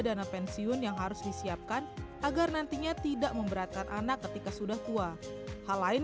dana pensiun yang harus disiapkan agar nantinya tidak memberatkan anak ketika sudah tua hal lain